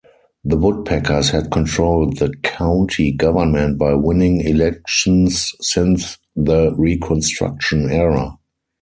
The Woodpeckers had controlled the county government by winning elections since the Reconstruction Era.